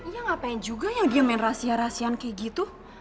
ya gak pengen juga yang dia main rahasia rahasian kayak gitu